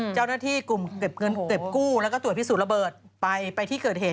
เจ้าหน้าที่กลุ่มเก็บเงินเก็บกู้แล้วก็ตรวจพิสูจน์ระเบิด